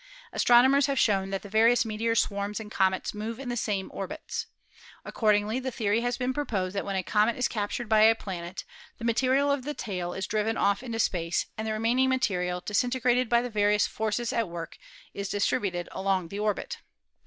Astronomers have shown that the various meteor swarms and comets move in the same orbits. Accordingly the theory has been proposed that when a comet is captured by a planet the material of the tail is driven off into space and the remaining material, disintegrated by the various forces at work, is distributed along the orbit.